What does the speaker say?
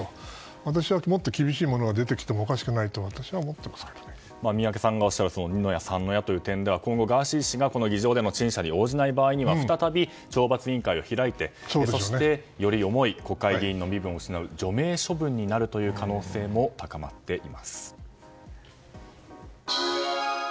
私はもっと厳しいものが出てきても宮家さんがおっしゃる２の矢、３の矢となると今後ガーシー氏が議場での陳謝に応じない場合は再び懲罰委員会を開いてより重い国会議員の身分を失う除名処分になる可能性も高まっています。